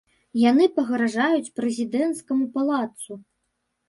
Яны пагражаюць прэзідэнцкаму палацу.